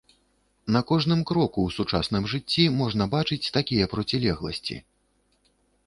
На кожным кроку ў сучасным жыцці можна бачыць такія процілегласці.